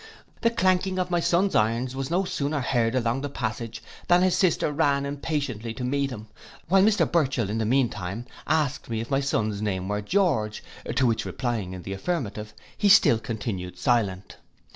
The clanking of my son's irons was no sooner heard along the passage, than his sister ran impatiently to meet him; while Mr Burchell, in the mean time, asked me if my son's name were George, to which replying in the affirmative, he still continued silent.